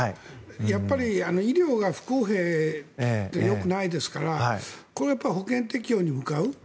やっぱり医療が不公平はよくないですからこれは保険適用に向かう。